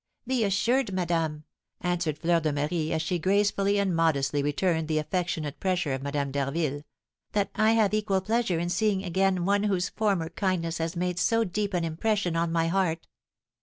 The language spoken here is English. "Be assured, madame," answered Fleur de Marie, as she gracefully and modestly returned the affectionate pressure of Madame d'Harville, "that I have equal pleasure in seeing again one whose former kindness has made so deep an impression on my heart!"